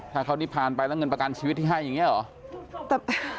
ถ้าเขานี่ผ่านไปแล้วเงินประกันชีวิตที่ให้อย่างนี้เหรอ